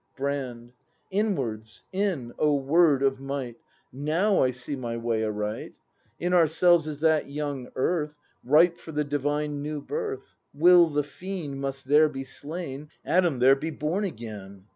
Brand. Inwards! In! O word of might. Now I see my way aright. In ourselves is that young Earth, Ripe for the divine new birth; Will, the fiend, must there be slain, Adam there be born again.